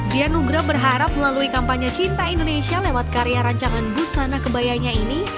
dianugrah berharap melalui kampanye cinta indonesia lewat karya rancangan busana kebayanya ini